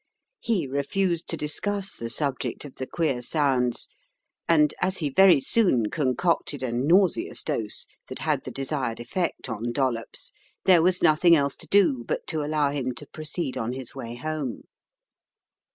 He refused to discuss the sub ject of the queer sounds, and as he very soon con cocted a nauseous dose that had the desired effect on Dollops, there was nothing else to do but to allow him to proceed on his way home.